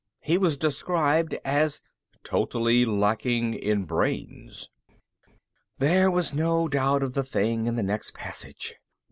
He was soon described as: ... totally lacking in brains. There was no doubt of the thing in the next passage.